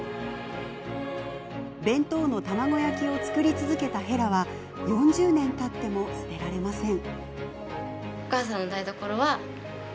弁当の卵焼きを作り続けたへらは４０年たっても捨てられません。